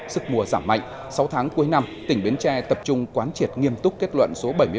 sức mùa giảm mạnh sáu tháng cuối năm tỉnh bến tre tập trung quán triệt nghiêm túc kết luận số bảy mươi bốn